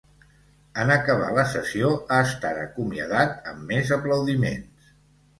En acabar la sessió ha estat acomiadat amb més aplaudiments.